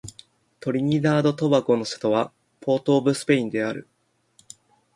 トリニダード・トバゴの首都はポートオブスペインである